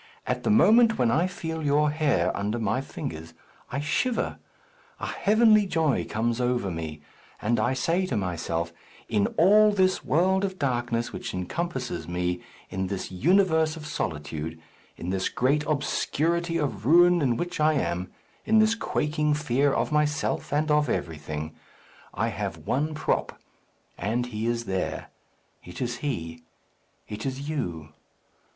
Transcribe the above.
at the moment when I feel your hair under my fingers, I shiver; a heavenly joy comes over me, and I say to myself, In all this world of darkness which encompasses me, in this universe of solitude, in this great obscurity of ruin in which I am, in this quaking fear of myself and of everything, I have one prop; and he is there. It is he it is you."